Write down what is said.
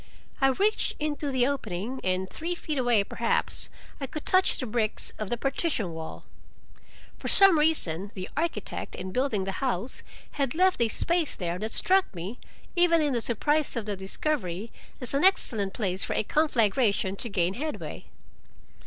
I reached into the opening, and three feet away, perhaps, I could touch the bricks of the partition wall. For some reason, the architect, in building the house, had left a space there that struck me, even in the surprise of the discovery, as an excellent place for a conflagration to gain headway.